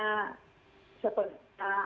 adil menurut saya